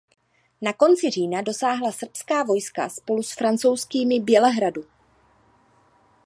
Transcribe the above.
Na konci října dosáhla srbská vojska spolu s francouzskými Bělehradu.